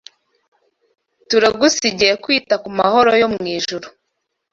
Turagusigiye kwita kumahoro yo mwijuru